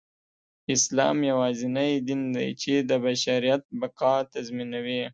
اسلام يواځينى دين دى، چې د بشریت بقاﺀ تضمينوي.